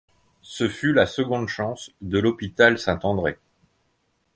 Ce fut la seconde chance de l'hôpital Saint-André.